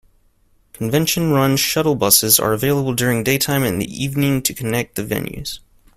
Convention-run shuttle buses are available during daytime and the evening to connect the venues.